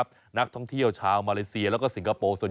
นักท่องเที่ยวชาวมาเลเซียแล้วก็สิงคโปร์